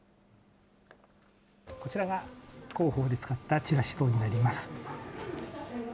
こちらが広報で使ったチラシ等になります。